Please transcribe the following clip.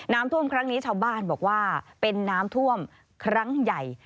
น้ำท่วมครั้งนี้ชาวบ้านบอกว่าเป็นน้ำท่วมครั้งใหญ่